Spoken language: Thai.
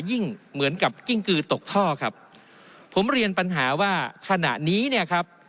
เหมือนกับกิ้งกือตกท่อครับผมเรียนปัญหาว่าขณะนี้เนี่ยครับ